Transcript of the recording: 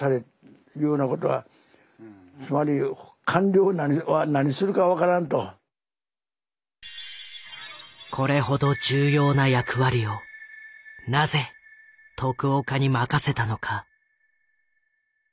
例えばですねつまりこれほど重要な役割をなぜ徳岡に任せたのか。